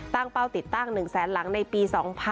เป้าติดตั้ง๑แสนหลังในปี๒๕๖๒